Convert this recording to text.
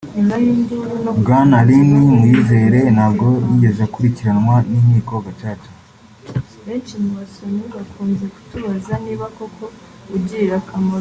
Bwana Lin Muyizere ntabwo yigeze akurikiranwa n’inkiko Gacaca